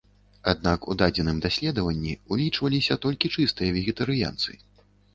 Аднак у дадзеным даследаванні ўлічваліся толькі чыстыя вегетарыянцы.